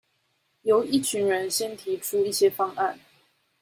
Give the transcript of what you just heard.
由一群人先提出一些方案